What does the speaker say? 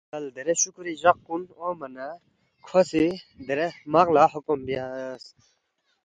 یلے کسل دیرے شُوکُورُوی جق کُن اونگما نہ کھو سی درے ہرمق لہ حکم بیاس